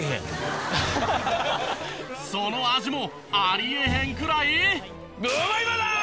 その味もありえへんくらい。